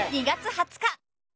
２月２０日。